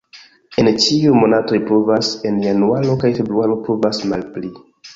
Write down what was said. En ĉiuj monatoj pluvas, en januaro kaj februaro pluvas malpli.